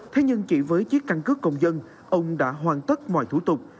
thế nhưng chỉ với chiếc căn cứ công dân ông đã hoàn tất mọi thủ tục